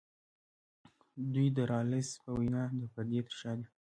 دوی د رالز په وینا د پردې تر شا دي.